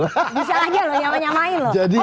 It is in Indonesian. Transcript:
bisa aja loh nyamain nyamain loh